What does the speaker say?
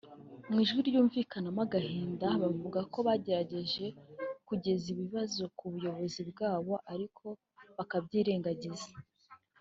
Mu ijwi ryumvikanamo agahinda bavuga ko bagerageje kugeza ibi bibazo ku buyobozi bwabo ariko bakabyirengagiza